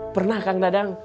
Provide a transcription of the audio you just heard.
pernah kang dadang